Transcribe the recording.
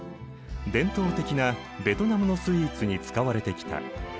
伝統的なベトナムのスイーツに使われてきた。